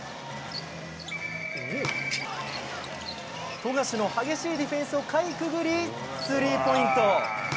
富樫の激しいディフェンスをかいくぐり、スリーポイント。